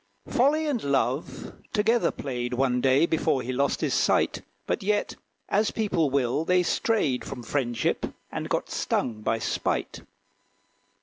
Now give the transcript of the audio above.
Folly and Love together played, One day, before he lost his sight; But yet, as people will, they strayed From friendship, and got stung by spite.